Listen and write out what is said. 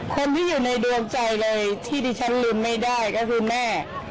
คนที่อยู่ในดวงใจเลยที่ดิฉันลืมไม่ได้ก็คือแม่